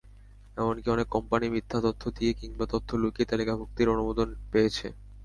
এমনকি অনেক কোম্পানি মিথ্যা তথ্য দিয়ে কিংবা তথ্য লুকিয়ে তালিকাভুক্তির অনুমোদন পেয়েছে।